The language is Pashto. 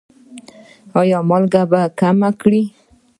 ایا مالګه به کمه کړئ؟